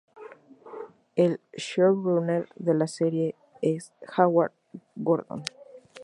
El "showrunner" de la serie es Howard Gordon.